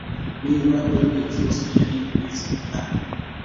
niba jodie foster yari lesbiyani